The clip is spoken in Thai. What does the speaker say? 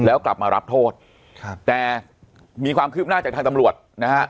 แล้วกลับมารับโทษครับแต่มีความคืบหน้าจากทางตำรวจนะฮะ